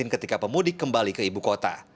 ketika pemudik kembali ke ibu kota